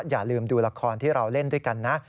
อย่าลืมดูละครที่เราเล่นด้วยกันนะ